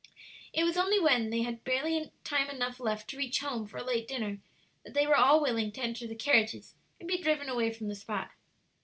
It was only when they had barely time enough left to reach home for a late dinner that they were all willing to enter the carriages and be driven away from the spot.